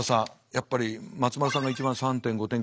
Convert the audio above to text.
やっぱり松丸さんが一番３．５点から４って。